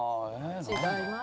違います。